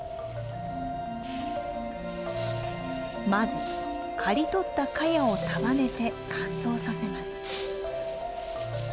まず刈りとったカヤを束ねて乾燥させます。